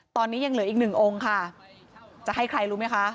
ตอนนี้ยังเหลืออีกหนึ่งองค์ค่ะจะให้ใครรู้ไหมคะ